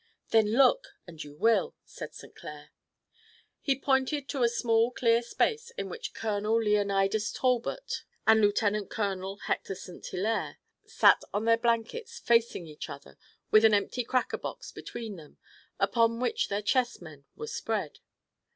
"Then look and you will," said St. Clair. He pointed to a small clear space in which Colonel Leonidas Talbot and Lieutenant Colonel Hector St. Hilaire sat on their blankets facing each other with an empty cracker box between them, upon which their chess men were spread.